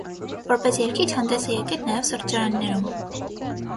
Որպես երգիչ հանդես է եկել նաև սրճարաններում։